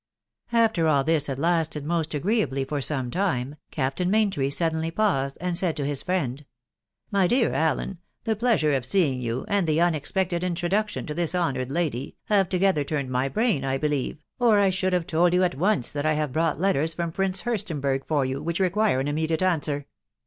After all this bad lasted most agreeably for some time, Captain Maintry suddenly paused, and said to his friend, —" My dear Allen, the pleasure of seeing you, and the un expected introduction to this honoured lady, have together turned my brain, I believe, or I should have told you at once that I have brought letters from Prince Hursteinberg for you which require an immediate answer.